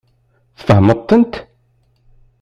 Tfehmeḍ-tent?